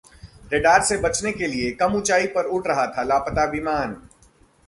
Radar से बचने के लिए कम ऊंचाई पर उड़ रहा था लापता विमान!